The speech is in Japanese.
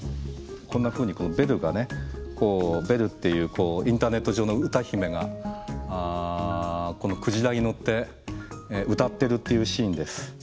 こんなふうにこのベルがねベルっていうインターネット上の歌姫がこのクジラに乗って歌ってるっていうシーンです。